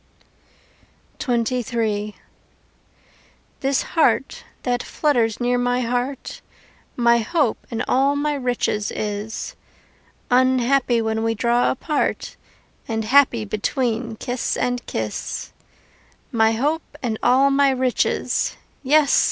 XXIII This heart that flutters near my heart My hope and all my riches is, Unhappy when we draw apart And happy between kiss and kiss: My hope and all my riches yes!